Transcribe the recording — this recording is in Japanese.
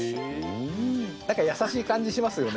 何か優しい感じしますよね。